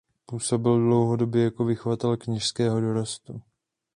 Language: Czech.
Působil dlouhodobě jako vychovatel kněžského dorostu.